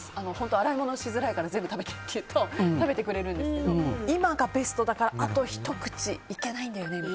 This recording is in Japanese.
洗い物しづらいから全部食べてって言うと食べてくれるんですけど今がベストだからあとひと口いけないんだよねって。